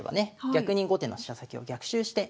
逆に後手の飛車先を逆襲して。